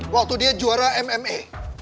waktu dia juara mma